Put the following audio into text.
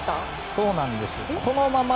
そうなんです。